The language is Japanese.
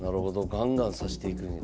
ガンガン指していくんや。